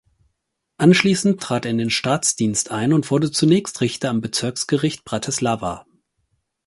Anschließend trat er in den Staatsdienst ein und wurde zunächst Richter am Bezirksgericht Bratislava.